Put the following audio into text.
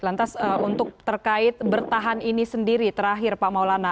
lantas untuk terkait bertahan ini sendiri terakhir pak maulana